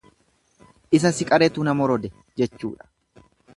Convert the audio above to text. Isa si qaretu na morode jechuudha.